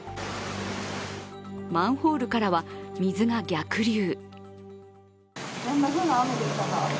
マンホールからは、水が逆流。